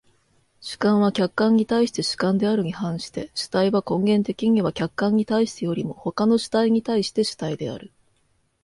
主観は客観に対して主観であるに反して、主体は根源的には客観に対してよりも他の主体に対して主体である。